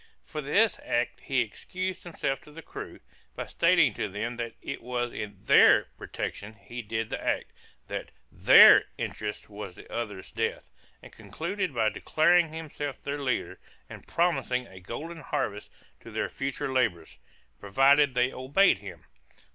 For this act he excused himself to the crew, by stating to them that it was in their protection he did the act; that their interest was the other's death; and concluded by declaring himself their leader, and promising a golden harvest to their future labors, provided they obeyed him.